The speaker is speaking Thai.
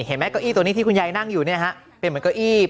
เก้าอี้ตัวนี้ที่คุณยายนั่งอยู่เนี่ยฮะเป็นเหมือนเก้าอี้